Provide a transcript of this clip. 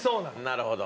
なるほど。